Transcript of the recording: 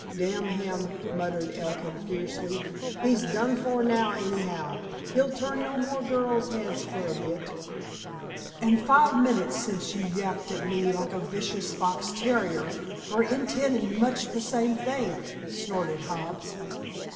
"D—n him," muttered Elkin fiercely. "He's done for now, anyhow. He'll turn no more girls' heads for a bit." "An' five minutes since you yapped at me like a vicious fox terrier for 'intin' much the same thing," chortled Hobbs.